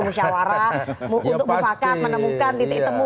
musyawarah untuk mufakat menemukan titik temu